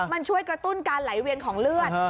มันช่วยกระตุ้นการไหลเวียนของเลือด